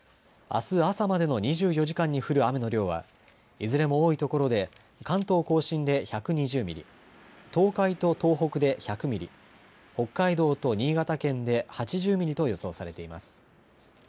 あす朝までの２４時間に降る雨の量はいずれも多いところで関東甲信で１２０ミリ、東海と東北で１００ミリ、北海道と新潟県で８０ミリと予想されています。